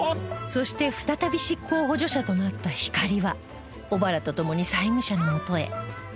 そして再び執行補助者となったひかりは小原と共に債務者のもとへ